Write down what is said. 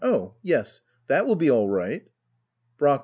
Oh yes^ that will be all right. Brack.